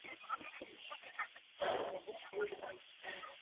努亚达凯尔特神话中的战神。